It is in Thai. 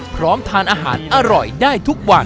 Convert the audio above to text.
พร้อมทานอาหารอร่อยได้ทุกวัน